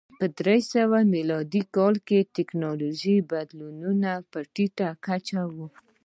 په درې سوه میلادي کال کې ټکنالوژیکي بدلونونه په ټیټه کچه و.